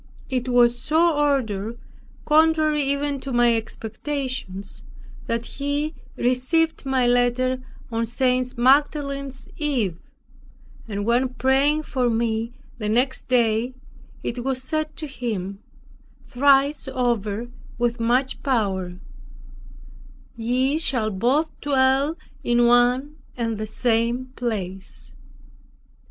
It was so ordered, contrary even to my expectations, that he received my letter on St. Magdalene's eve, and when praying for me the next day, it was said to him, thrice over, with much power, "Ye shall both dwell in one and the same place."